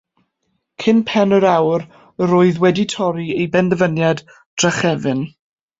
Cyn pen yr awr yr oedd wedi torri ei benderfyniad drachefn.